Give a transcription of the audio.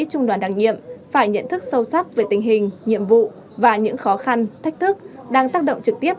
trung đoàn đặc nhiệm phải nhận thức sâu sắc về tình hình nhiệm vụ và những khó khăn thách thức đang tác động trực tiếp